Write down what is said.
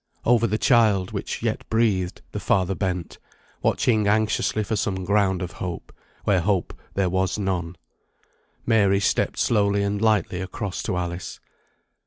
Over the child, which yet breathed, the father bent, watching anxiously for some ground of hope, where hope there was none. Mary stepped slowly and lightly across to Alice.